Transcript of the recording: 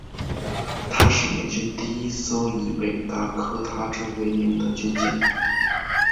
她是美军第一艘以北达科他州为名的军舰。